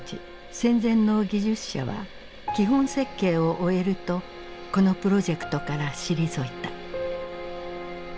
戦前の技術者は基本設計を終えるとこのプロジェクトから退いた。